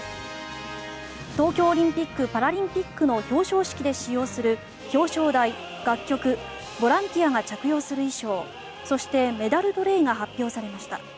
東京オリンピック・パラリンピックの表彰式で使用する表彰台、楽曲ボランティアが着用する衣装そしてメダルトレーが発表されました。